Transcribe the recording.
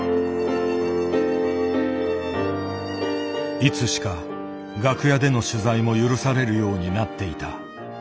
いつしか楽屋での取材も許されるようになっていた。